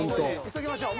急ぎましょう。